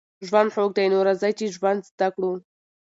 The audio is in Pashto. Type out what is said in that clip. ژوند خوږ دی نو راځئ چې ژوند زده کړو